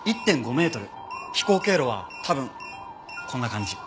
飛行経路は多分こんな感じ。